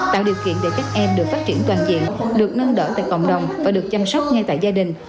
tạo điều kiện để các em được phát triển toàn diện được nâng đỡ tại cộng đồng và được chăm sóc ngay tại gia đình